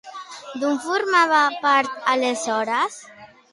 D'on formava part aleshores?